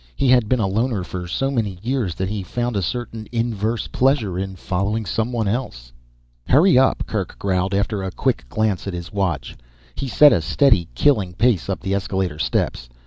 He had been a loner for so many years that he found a certain inverse pleasure in following someone else. "Hurry up," Kerk growled after a quick glance at his watch. He set a steady, killing pace up the escalator steps.